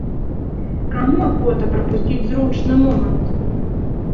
Каму ахвота прапусціць зручны момант?